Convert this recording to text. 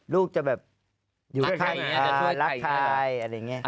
ลูกจะอยู่ใกล้อีกก่อนก็เเหลี่ยะ